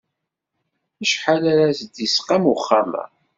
Acḥal ara s-d-isqam uxxam-a?